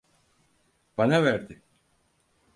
Bana verdi.